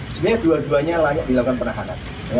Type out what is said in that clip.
sebenarnya dua duanya layak dilakukan penahanan